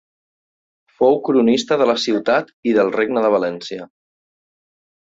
Fou cronista de la ciutat i del Regne de València.